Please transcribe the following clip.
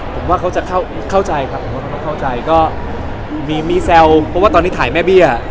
ผมว่าเขาจะเข้าใจครับก็มีแซวเพราะว่าตอนที่ถ่ายแม่เบี้ย